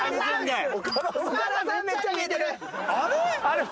あれ？